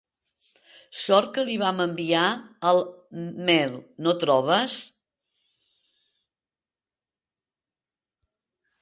Sort que li vam enviar el mail, no trobes?